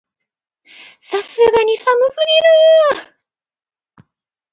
さすがに寒すぎる